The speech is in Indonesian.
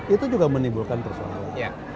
itu juga menimbulkan persoalan